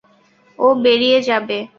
ও বেরিয়ে যাবে।